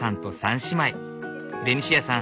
ベニシアさん